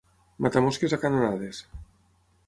Matar mosques a canonades.